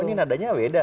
oh ini nadanya beda